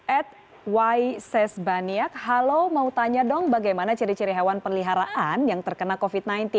at ysbaniak halo mau tanya dong bagaimana ciri ciri hewan peliharaan yang terkena kofit